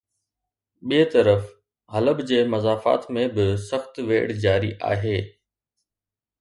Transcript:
ٻئي طرف حلب جي مضافات ۾ به سخت ويڙهه جاري آهي